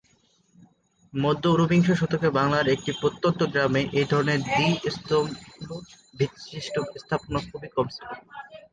মধ্য ঊনবিংশ শতকে বাংলার একটি প্রত্যন্ত গ্রামে এই ধরনের দ্বী-স্তম্ভবিশিষ্ট্য স্থাপনা খুবই কম ছিল।